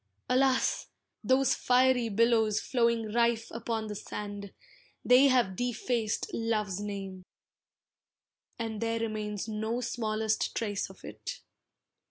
Alas! those fiery billows flowing rife Upon the sand, they have defaced love's name, And there remains no smallest trace of it.